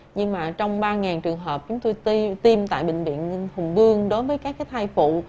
nhưng mà trong ba trường hợp chúng tôi tiêm tại bệnh viện hùng vương đối với các thai phụ